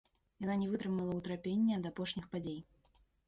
Яна не вытрымала ўтрапення ад апошніх падзей.